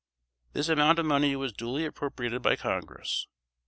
] This amount of money was duly appropriated by Congress.